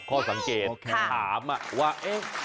ดอกใหญ่ขายอยู่ที่ราคาดอกละ๒บาท